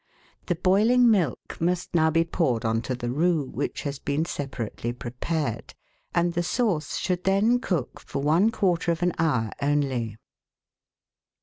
The boiling milk must now be poured on to the roux which has been separately prepared, and the sauce should then cook for one quarter of an hour only.